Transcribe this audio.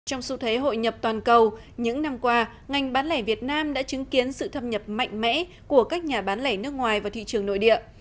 trong xu thế hội nhập toàn cầu những năm qua ngành bán lẻ việt nam đã chứng kiến sự thâm nhập mạnh mẽ của các nhà bán lẻ nước ngoài và thị trường nội địa